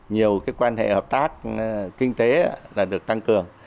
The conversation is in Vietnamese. nhiều quan hệ hợp tác kinh tế đã được tăng cường